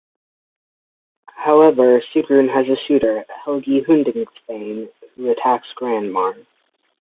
However, Sigrun has a suitor, Helgi Hundingsbane who attacks Granmar.